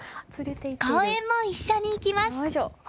公園も一緒に行きます。